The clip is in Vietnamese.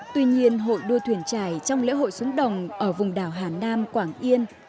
tuy nhiên hội đô thuyền trải trong lễ hội xuấn đồng ở vùng đảo hà nam quảng yên